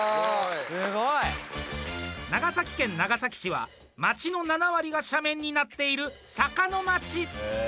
長崎県長崎市は街の７割が斜面になっている坂の街。